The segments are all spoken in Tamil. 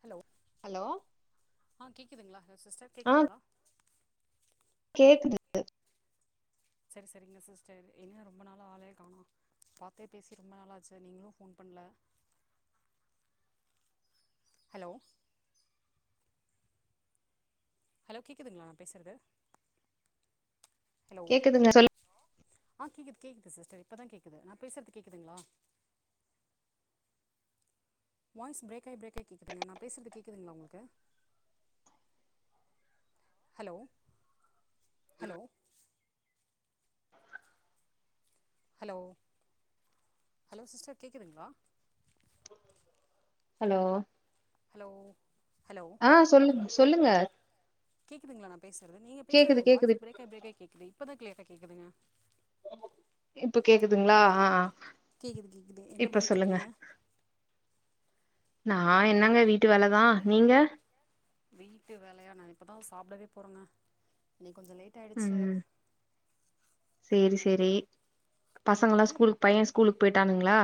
ஹலோ ஹலோ ஆ கேக்குதுங்களா சிஸ்டர் ஆ கேக்குதுங்களா கேக்குது செரி செரிங்க சிஸ்டர் என்ன ரொம்ப நாளா ஆளயே காணோ பாத்தே பேசி ரொம்ப நாளாச்சு நீங்களு ஃபோன் பண்ல ஹலோ ஹலோ கேக்குதுங்களா நா பேசுறது ஹலோ கேக்குதுங்க சொல்லு ஆ கேக்குது கேக்குது சிஸ்டர் இப்பதா கேக்குது நா பேசுறது கேக்குதுங்ளா வாய்ஸ் பிரேக்காகி பிரேக்காகி கேக்குதுங்க நான் பேசறது கேக்குதுங்களா உங்களுக்கு hello hello hello hello sister கேக்குதுங்களா ஹலோ ஹலோ ஹலோ ஆ சொல்லு சொல்லுங்க கேக்குதுங்களா நா பேசறது நீங்க பேசுறது கேக்குது எனக்கு கேக்குது வாய்ஸ் பிரேக்காகி பிரேக்காகி கேக்குது இப்ப தா கிளியரா கேக்குதுங்க இப்ப கேக்குதுங்களா ஆ கேக்குது கேக்குது என்ன இப்ப பண்ணிட்டு சொல்லுங்க இருக்கீங்க நான் என்னங்க வீட்டு வேலைதா நீங்க வீட்டு வேலையா நா இப்பதா சாப்பிடவே போறங்க இன்னைக்கு கொஞ்ச லேட் ஆயிடுச்சு ம்ம்ம்ம் சேரி சேரி பசங்களா ஸ்கூலுக்கு பையன் ஸ்கூலுக்கு போய்ட்டானுங்களா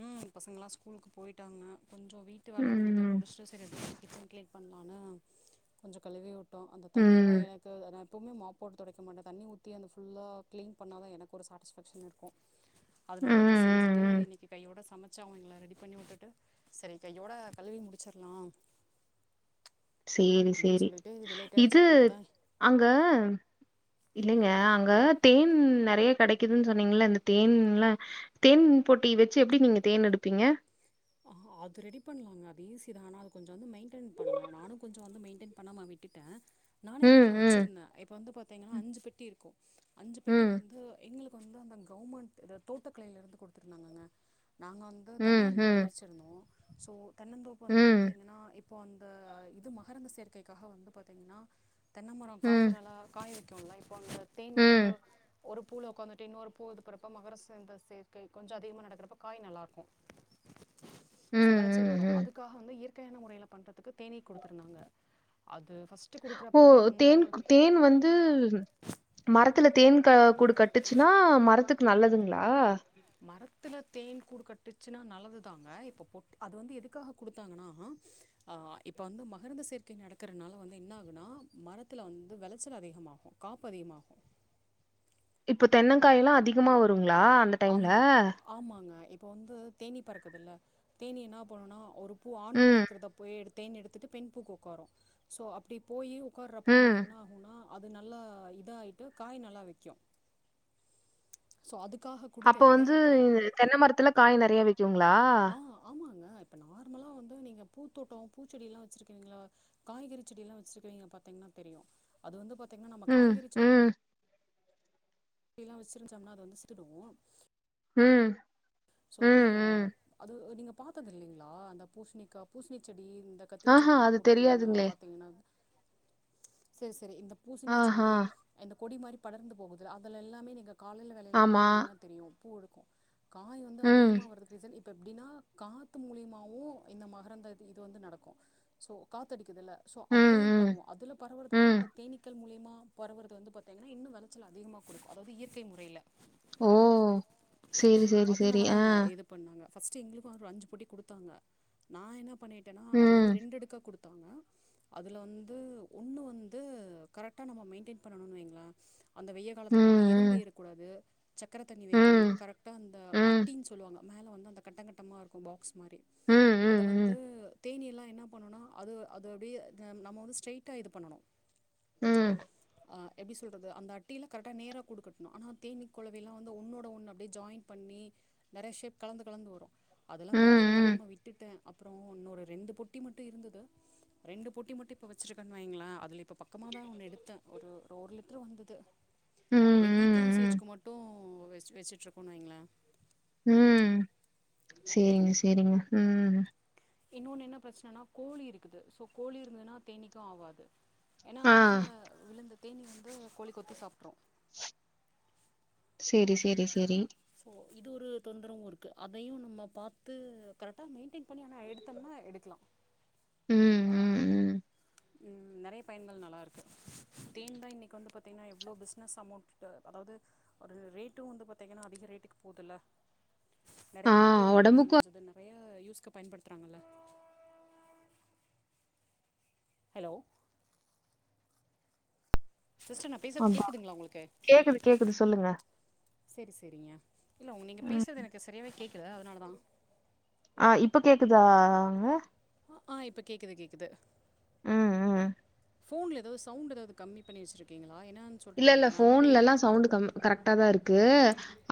ம் பசங்கலா ஸ்கூலுக்கு போயிட்டாங்க கொஞ்சம் வீட்டு வேலை இருந்தது ம் முடிச்சுட்டு சரி கிச்சன் கிளீன் பண்லான்னு கொஞ்ச கழுவிவிட்டோம் அந்த ம் தண்ணியெல்லாம் ம் எனக் அதே நா எப்பவுமே மாப் போட்டு துடைக்கமாட்டேன் தண்ணி ஊத்தி அந்த ஃபுல்லா கிளீன் பண்ணாதான் எனக்கு ஒரு சாட்டிஸ்ஃபேக்க்ஷன் இருக்கும் அதனால அப்ப ம் செஞ்சுட்டு ம் இன்னைக்கு கையோட சமைச்சு அவங்கள ரெடி பண்ணி விட்டுட்டு சரி கையோட கழுவி முடிச்சிறலாம் சேரி சேரி சொல்லிட்டு லேட் ஆயிடுச்சு இது இப்பதா அங்க இல்லங்க அங்க தேன் நிறைய கிடைக்குதுன்னு சொன்னீங்கல இந்த தேன்ல தேன் பொட்டி வெச்சு எப்படி நீங்க தேன் எடுப்பீங்க ஆ அது ரெடி பண்லாங்க அது ஈசிதா ஆனா அது கொஞ்சம் வந்து மெயின்டைன் பண்ணனும் நானும் கொஞ்ச வந்து மெயின்டைன் பண்ணாம விட்டுட்டேன் நானே ம் வீட்ல ம் வெச்சிருந்தேன் இப்ப வந்து பாத்தீங்கன்னா அஞ்சு பெட்டி இருக்கும் அஞ்சு பெட்டி ம் வந்து எங்களுக்கு வந்து அந்த கவர்மெண்ட் இது தோட்டக்கலைல இருந்து கொடுத்திருந்தாங்கக நாங்க வந்து ம், தென்னந்தோப்பு ம், வச்சிருந்தோம் சோ தென்னந்தோப்பு வந்து ம், பாத்தீங்கன்னா இப் இப்ப அந்த இது மகரந்த சேர்க்கைக்காக வந்து பாத்தீங்கன்னா தென்னமரம் காப்பு ம், நல்லா காய வைக்குல இப்போ அந்த ம், தேன் வந்து ம், ஒரு பூல உக்காந்துட்டு இன்னொரு பூ இருக்குறப்ப மகரசந்த சேர்க்கை கொஞ்சம் அதிகமா நடக்கிறப்ப காய் நல்லாருக்கும் சோ விளைச்சல் ம், வரும் ம். அதுக்காக வந்து இயற்கையான முறைல பண்றது தேனீ குடுத்துருந்தாங்க அது ஃபர்ஸ்ட் ஓ தேன் தேன் வந்து மரத்துல தேன் கூடு கட்டுச்சுன்னா மரத்துக்கு நல்லதுங்களா மரத்துல தேன் கூடு கட்டுச்சுன்னா நல்லதுதாங்க இப்ப பொட் அது வந்து எதுக்காக கொடுத்தாங்கன்னா ஆ இப்ப வந்து மகரந்த சேர்க்கை நடக்கிறனால வந்து என்ன ஆகுனா மரத்துல வந்து விளைச்சல் அதிகமாகும் காப்பு அதிகமாகும் இப்ப தென்னங்காயெல்லாம் அதிகமா வருங்களா டைம்ல? ஆமா ஆமாங்க இப்ப வந்து தேனி பறக்குதில்ல தேனி என்ன பண்ணுனா ஒரு பூ ஆண் பூல ம், இருக்கிறத போய் தேன்‌ எடுத்துட்டு பெண் பூ உக்காரும் சோ அப்டி போயி உக்கார்றப்போ ம். வந்து என்ன ஆகும்னா அது நல்லா இதாகிட்டு காய் நல்லா வைக்கும் சோ அதுக்காக அப்ப குடுத்தது வந்து நான் தென்ன மரத்துல காய் நிறைய வைக்குங்களா ஆ ஆமாங்க இப்ப நார்மலா வந்து நீங்க பூத்தோட்டம் பூச்செடியல்லாம் வச்சுருக்கீங்கள காய்கறி செடில்லாம் வச்சிருக்கங்க பாத்தீங்கன்னா தெரியும் அது வந்து பாத்தீங்கன்னா நம்ம ம், காய்கறி செடி ம், அப்படியெல்லாம் வச்சிருந்த்சோம்னா அதை வந்து சுட்டுறும் ம் சோ ம், நீங்க ம். அது நீங்க பாத்தது இல்லீங்களா அந்த பூசணிகா பூசணி செடி இந்த கத்திரி ஆஹா, செடிலா அது போட்டிருந்தீங்கன்னா தெரியாதுங்களே! பாத்தீங்கன்னா செரி செரி இந்த பூசணி ஆஹா, செடி இந்த கொடி மாரி படர்ந்து போகுது அதுல எல்லாமே நீங்க காலையில நோட் ஆமா. பண்ணீங்கன்னா தெரியு பூ இருக்கு காய் வந்து ம், அதிகமா வரதுக்கு ரீசன் இ இப்ப எப்டின்னா காத்து மூலியமாவு இந்த மகரந்த இது வந்து நடக்கு சோ காத்து அடிக்குதல்ல ஸோ ம், அதுலயு ம், பரவும் அதில பரவுறத விட ம். இந்த தேனீக்கள் மூலியிமா பறவுறது வந்து பாத்தீங்கன்னா இன்னு விளைச்சல் அதிகமாக குடுக்கு அதாவது இயற்கை முறைல ஓ செரி செரி சரி ஆ பண்ணாங்க் ஃபஸ்ட் எங்களுக்கு ஒரு அஞ்சு பொடி கொடுத்தாங்க நான் என்ன பண்ணிட்டேனா அது ம். வந்து ரெண்டு அடுக்கா கொடுத் தங்க அதுல வந்து ஒண்ணு வந்து கரெக்டா நம்ம மெயின்டென் பண்ணணுனு வைங்களே அந்த வெய்ய ம் காலத்துக்கு வந்து எறும்பு ம் ஏறக்கூடாது சக்கரை தண்ணி வைக்கணு ம் கரெக்டாக அந்த ம் அட்டின்னு சொல்லு வாங்க மேல வந்து அந்த கட்டங்கட்டமா இருக்கு பாக்ஸ் மாரி ம் அத வந்து ம் தேனியெல்லா என்ன பண்ணுனா அது அது அப்டியே நம்ம வந்து ஸ்ட்ரரைட்டா இது பண்ணணு ம் ஆ எப்டி சொல்றது அந்த அட்டியில கரெக்டாக நேரா கூடுக்கட்டணு ஆனா தேனி கொழவிலா வந்து ஒன்னோட ஒன்னு அப்டியே ஜாயின் பண்ணி நெறையா ஷேப் கலந்து கலந்து வரு அதெல்லா ம் மெயின்டெயின் பண்ணாம விட்டுடே அப்புறோ இன்னோரு ரெண்டு பொட்டி மட்டு இருந்தது ரெண்டு பொட்டி மட்டு இப்ப வச்சிருக்கன்னு வைங்களா அதுல இப்ப பக்கமாதா ஒன்னு எடுத்தே ஒரு ஒரு ஒரு லிட்டரு வந்தது ம் வே வீட் ம் யூசேஜ்கு மட்டு வெ வெச்சுட்டு இருக்கோன்னு வைங்களே ம் சேரிங்க சரிங்க ம் இன்னொன்னு என்ன பிரச்சனனா கோழி இருக்குது சோ கோழி இருந்ததுன்னா தேனீக்கு ஆகாது ஏன்னா ஆ ஆனா கீழே விழுந்து தேனீ வந்து கோழி கொத்தி சாப்ட்ரு செரி செரி செரி ஸோ இது ஒரு தொந்தரவு இருக்கு அதையு நம்ம பாத்து கரெக்டா மெயின்டென் பண்ணி ஆன எடுத்தம்னா எடுக்கலா ம் ம் ம் ம் நெறைய பயன்கள் நல்லாருக்கு தேன்தா இன்னைக்கி வந்து பாத்தீங்கன்னா எவ்வளவு பிசினஸ் அமௌண்ட் அதாவது ஒரு ரேட்டு வந்து பாத்தீங்கன்னா அதிக ரேட்டுக்கு போதுல்ல நெறைய ஆ மருத்துவ குணங்கள் ஒடம்புக்கு நிகஞ்சது நெறைய யூஸ்க்கு பயன்படுத்துறாங்கல ஹலோ சிஸ்டர் நா பேசறது அதான். கேக்குதுங்களா உங்களுக்கு கேக்குது, கேக்குது சொல்லுங்க. செரி செரிங்க இல்ல உங்க நீங்க ம். பேசுறது எனக்கு சரியாவே கேட்கல அதனால தா ஆ இப்ப கேக்குதாங்க ஆ இப்ப கேக்குது கேக்குது ம் ம் ஃபோன்ல ஏதோ சவுண்ட் எதாவது கம்மி பண்ணி வச்ருக்கீங்களா ஏன்னா இல்ல இல்ல ஃபோன்ல ல்லாம் சௌண்ட் கம் கரெக்டா தா இருக்கு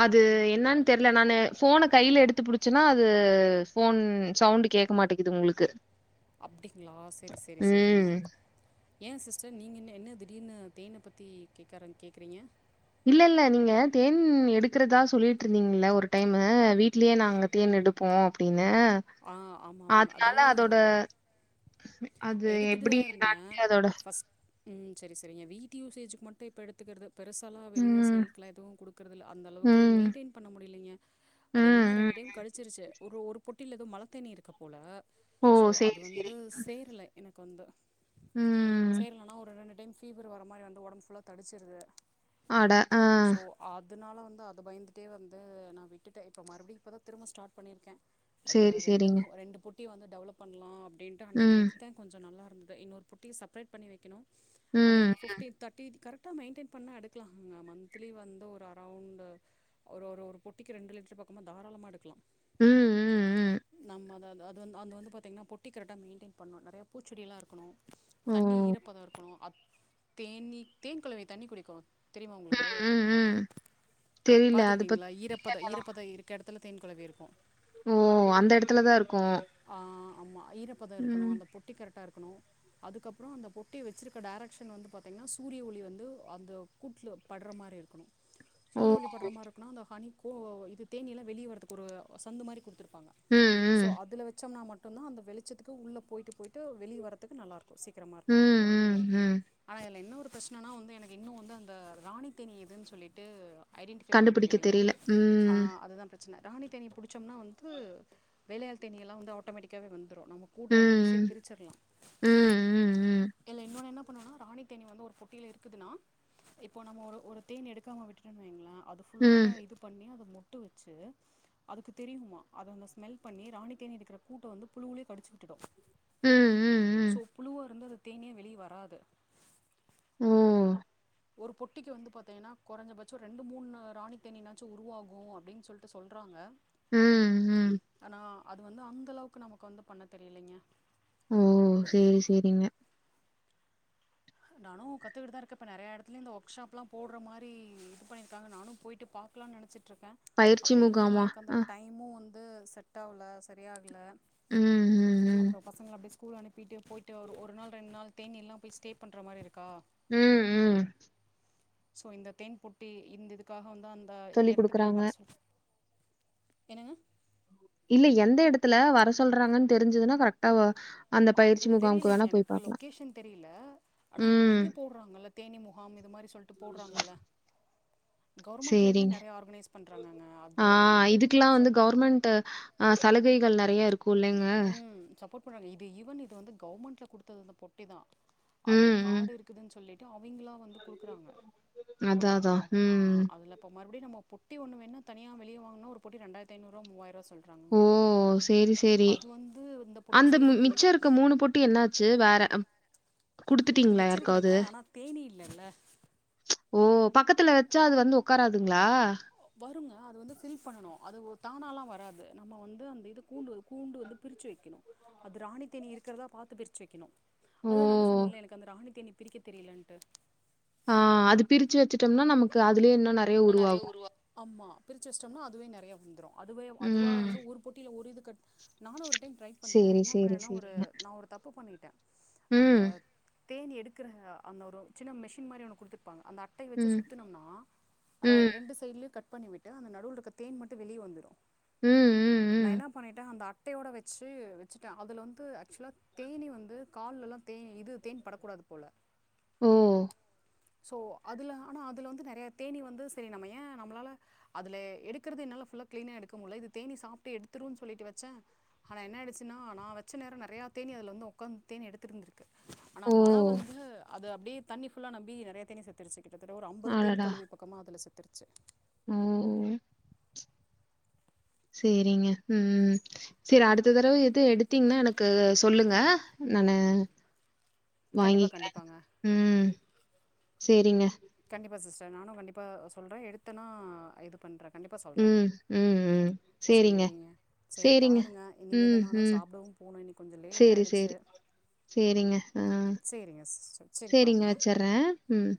அது என்னன்னு தெர் ல நானு போனை கையில எடுத்து புடி ச்சுன்னா அது ஃபோன் சவுண்ட் கேக்க மாட்டேங்குது உங்குளுக்கு அப்டிங்களா செர்ரி செர்ரி செரிங்க ஏ சிஸ்டர் நீங்கன்ன என்ன திடீர்னு தேனை பத்தி கேக்க ஆரம்பிக் கேக்குறீங்க இல்ல இல்ல நீங்க தேன் எடுக்கறதா சொல்லிட்டு இருந்தீங்கல்ல ஒரு டைம்மு வீட்லயே நாங்க தேன் எடுப் போ அப்டின்னு ஆ ஆமா ஆமாங் அது அது எப்படி எடுத்திட்டுதா இருந்தே என்னான்ட்டு அதோட ஃபர்ஸ் ம் செரி செரி என் வீ்ட்டு யூசேஜுக்கு மட்டும் இப்ப எடுத்துக்குர்றது பெருசாலா வெளிய ம் சேல்க்குல எதுவு குடுக்கறது இல்ல அந்தளவுக்கு ம் மெயின்டைன் பண்ண முடியலைங்க அது ம் என்னன்ன ம். ரெண்டு டைம் கழிச்சிருச்சு ஒரு ஒரு பொட்டில எதோ மலத்தேனி இருக்கு போல ஓ சோ அது சரி வந்து சரி சேர்ல எனக்கு வந்து ம் சேரலன்னா ஒரு ரெண்டு டைம் ஃபீவர் வர மாதிரி வந்து உடம்பு ஃபுல்லா தடிச்சிருது அட ஆ அதுனால வந்து அத பயந்துட்டே வந்து நா விட்டுட்டே இப்ப மறுபடியும் இப்ப தான் திரும்ப ஸ்டார்ட் பண்ணியிருக்கே ஒரு சரி ரெண்டு சரிங்க மூ ரெண்டு பொட்டிய வந்து டெவலப் பண்லா அப்படின்ட்டு அன்னைக்கு ம் எடுத்தே கொஞ்சோ நல்லா இருந்தது இன்னொரு பொட்டிய செப்ரேட் பண்ணி வெக்கணு அது ம் அந்த ஃபிப்டி தர்ட்டித் கரெக்ட் டா மெயின்டெய்ன் பண்ணா எடுக்கலாம்ங்க மந்த்லி வந்து ஒரு அரௌண்ட் ஒரு ஒரு ஒரு பொட்டிக்கு ரெண்டு லிட்டர் பக்கமா தாராளமா எடுக்கலா ம் ம் ம் நம்ம அதது அ அந்து வந்து பாத்தீங்ன்னா பொட்டி கரெக்ட்டா மெயின்டைன் பண்ணணு நெறயா பூச்செடி எல்லா இருக்கணு ஓ தண்ணி ஈரப்பதம் இருக்கணு அப் தேனீ தேன் கொளவி தண்ணி குடிக்கு தெரியுமா உங்களுக்கு ம் ம் ம் தெரியல அது பத்தி பாத்துருக்கீங்களா ஈரப் பத ஈரப்பதம் இருக்க எடத்துல தேன் குளவி இருக்கு ஓ அந்த எடத்துல தா இருக்கு ஆ ஆமா ஈரப்பத இருக்கணு அந்த பொட்டி கரெக்டா இருக்கணு அதுகப்புறோ அந்த பொட்டி வச்சிருக்க டைரக்க்ஷன் வந்து பாத்தீங்கன்னா சூரிய ஒளி வந்து அந்த கூட்ல படுற மாரி இருக்கணு ஓ சூரிய ஒளி படுற மாரி இருக்குனா அந்த ஹனிக்கு இது தேனியில வெளிய வரதுக்கு ஒரு சந்து மாரி குடுத் ப்பாங்க ம் சோ ம் அதுல வச்சோம்னா மட்டும் தான் அந்த வெளிச்சத்துக்கு உள்ள போயிட்டு போயிட்டு என்று வெளிய வர்றதுக்கு நல்லா இருக் கு சீக்கிரமா இருக்கு ம் ம் ம் ஆனா இதுல என்ன ஒரு பிரச்சனனா வந்து எனக்கு இன்னு வந்து அந்த ராணித்தேனீ எதுன்னு சொல்லிட்டு ஐடென்டிஃபை பண்ண கண்டுபிடிக்க தெரியலீங்க தெரியல ஆ ம் அதுதா ப்ர ச்சன ராணி தேனீ புடிச்சம்னா வந்து வேலயாள் தேனீல்லா வந்து ஆட்டோமேட்டிக் க்கவே வந்துரு நம்ம கூட்ட வந்து ம் ஈஸியா பிரிச்சரலா ம், ம், இல்ல இன்னொன்னு என்ன பண்ணனு ராணி தேனீ வந்து ஒரு பொட்டில இருக்குதுனா இப்போ நம்ம ஒரு ஒரு தேன் எடுக்காம விட்டுடேன் வைங்களே அது ஃபுல்லா ம், இது பண்ணி அத முட்ட வச்சு அதுக்கு தெரியுமா அத அந்த ஸ்மல் பண்ணி ராணி தேனீ இருக்ற கூட்ட வந்து புழுவுலே கடிச்சு விட்டுடு ம், ம், சோ ம். புழுவா இருந்தது தேனியே வெளிய வராது ம் ஒரு பொட்டிக்கு வந்து பாத்தீங்கன்னா கொறஞ்சபட்ச ரெண்டு மூணு ராணி தேனீனாச்சு உருவாகு அப்டின்னு சொல்லிட்டு சொல்றாங்க ம், ம். ஆனா அது வந்து அந்த அளவுக்கு நமக்கு வந்து பண்ண தெரியலேங்கே ஓ சேரி சேரிங்க நானு கத்துகிட்டுதா இருக்கே இப்ப நெறய எடத்துலயு இந்த ஒர்க் ஷாப்லா போடுற மாரி இது பண்ணிருக்காங்க நானும் போய்ட்டு பா க்கலான் நெனச்சிட்டு இருக்கே பயிற்சி அப்ற எங்க முகாமா? நமக்கு அந்த அ, டைம் மூ வந்து செட் ஆகல சரியாகல ம், ம், ம். அப்றோ பசங்கள அப்டியே ஸ் கூல் அனுப்பிட்டு போயிட்டு ஒரு நாள் ரெண்டு நாள் தேனி எல்லாம் ஸ்டே பண்ற மாரி இருக்கா ம் ம் சோ இந்த தேன் பொட்டி இந்த இதுக்காக வந்து அந்த சொல்லிக் எடத்துக்குல்லா குடுக்குறாங்க. வர சொல் என்னங்க இல்ல எந்த எடத்துல வர சொல்றாங்கன்னு தெரிஞ்சதுன்னா கரெக்டா வ அந்த அது பயிற்சி முகாமுக்கு தெரியலேங்க வேணா போய் எனக்கு பார்க்கலாம். லொக்கேஷன் தெரியல ஆனா இந்த ம். இது போடுறாங்கல்ல தேனி முகாம் இது மாரி சொல்லிட்டு போடுறாங்கல்ல கவர்மெண்ட்லேருந்தே சரிங்க. நெறைய ஆர்கனைஸ் பண்ணுறாங்கங்க அது எனக்கு இதுக்கெல்லாம் ச வந்து கவர்மெண்ட்டு ஆ சலுகைகள் நெறைய இருக்குல்லங்க ம் சப்போர்ட் பண்றாங்க இது ஈவன் இது வந்து கவர்ன்மெண்ட்ல குடுத்தது பொட்டி தா அது ம், ம். காடு இருக்குதுன் சொல்லி ட்டு அவிங்களா வந்து குடுக்குறாங்க அதான், அதான். ஆ ம். அதுல இப்ப மறுபடியு நம்ம பொ ட்டி ஒன்னு வேன்னா தனியா வெளிய வாங்குனா ஒரு பொட்டி ரெண்டாயரத்தைநூரூவா மூவாயரூவா சொல் ஓ சேரி சேரி வந்து இந்த பொட்டி அந்த செய்யறது எல் மிச்சம் இருக்க மூனு பொட் டி என்னாச்சு வேற அது குடுத்துட்டீங்களா யாருக்காவது? வச்சிருக்கறேங்க ஆனா தேனி இல்லல்ல ஓ பக்கத்துல வச்சா அது வந்து உக்காராதுங்களா வருங்க அது வந்து ஃபில் பண்ணணு அது தானாலா வராது நம்ம வந்து அந்த இது கூண்டு கூண்டு வந்து பிரிச்சு வைக்கணு அது ராணித்தேனி இருக்கிறதா பாத்து பிரிச்சு வைக்கணு ஓ! அதுதா நான்தா சொன்னேன்ல எனக்கு அந்த ராணித்தேனீ பிரிக்க தெரியலன்ட்டு ஆ அது பிரிச்சு வச்சுட்டம்னா நமக்கு அதுலயே இன்னு ந நறைய உருவ ஆமா பிரிச்சு வஷ்டோம்னா அதுவே நறையா வந்துரு அதுவே அதுவா ம். வந்து ஒரு பொட்டியில ஒரு இது கட் நானு ஒரு டைம் ட்ரை பண்ணிட்டே சரி, என்னா சரி, பண்ணேன்னா ஒரு சரிங்க. நா ஒரு தப்பு பண்ணிட்டே அந்த ம். தேனி எடுக்கிற அந்த ஒரு சின்ன மெஷின் மாரி ஒன்னு குடுத்துருப்பாங்க அந்த அட்டய வச்சு ம். சுத்துனம்ன்னா அதா ம். ரெண்டு சைட்லயு கட் பண்ணி விட்டு அந்த நடுவுல இருக்க தேன் மட்டு வெளிய வந்துரு ம். ம். நா ம். என்ன பண்ணிட்டே அந்த அட்டையோட வச்சு வச்சுட்டே அதுல வந்து ஆக்சுவலா தேனி வந்து கால்ல எல்லா தே இது தேன் படக்கூடாது போல ஓ! சோ அதுல ஆனா அதுல வந்து நெறய தேனி வந்து சரி நம்ம ஏ நம்மளால அதுல எடுக்கறது என்னால ஃபுல்லா கிளீனா எடுக்க முல்ல இது தேனீ சாப்ட்டு எடுத்துரும்ன்னு சொல்லிட்டு வச்சே ஆனா என்ன ஆயிடுச்சுன்னா நா வச்ச நேர நறயா தேனி அதுல வந்து ஒக்காந்து தேனு எடுத்துருந்திருக் ஆனா ஓ! மழ வந்து அது அப்டியே தண்ணி புல்லா நெம்பி நெறைய தேனீ செத்துருச்சு கிட்டத்தட்ட ஒரு அம்பது தேன் கொழவி பக்கமா அதுல செத்துருச்சு ம் சேரிங்க ம் சேரி அடுத்த தரவ எது எடுத்தீங்கன்னா எனக்கு சொல்லுங்க நானு கண்டிப்பாக வாங்கிக்கிறே கண்டிப்பாங்க ம் சேரிங்க கண்டிப்பா சிஸ்டர் நானு கண்டிப்பா சொல்றே எடுத்தனா இது பண்றே கண்டிப்பா சொல்றே ம். ம் ம் சரிங்க, சேரிங்க சரி சரிங்க. பாருங்க இனிமே தா ம். நானு ம். சாப்டவு போனு இன்னிக்கு கொஞ்ச லேட் சரி, சரி. ஆயிடுச்சு சேரிங்க. ஆ. சேரிங்க சிஸ்டர் சரி சேரிங்க பாருங்க வச்சர்றேன். ம்.